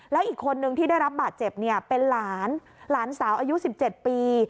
แล้วอีกคนนึงที่ได้รับบาดเจ็บเนี่ยเป็นหลานหลานสาวอายุ๑๗ปี